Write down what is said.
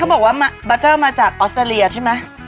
แม้เบอร์เบอร์มาจากออสเตอลียะใช่ไหม